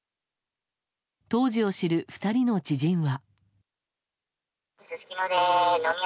当時を知る２人の知人は。